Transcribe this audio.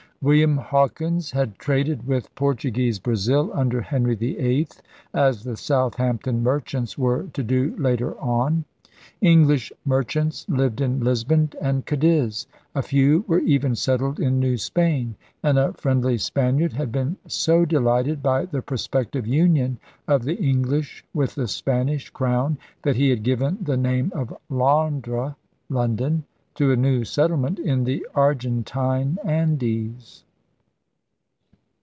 William Hawkins had traded with Portuguese Brazil under Henry VIII, as the Southampton merchants were to do later on. English merchants lived in Lisbon and Cadiz; a few were even settled in New Spain; and a friendly Spaniard had been so delighted by the prospective union of the English with the Spanish crown that he had given the name of Londres (London) to a new settlement in the Argentine Andes.